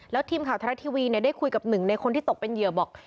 แล้วทีมข่าวทรัฐทีวีได้คุยกับหนึ่งในคนที่ตกเป็นเหยื่อบอก